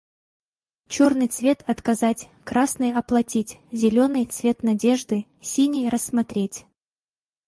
Черный цвет - "отказать", красный - "оплатить", зеленый - цвет надежды, синий - "рассмотреть".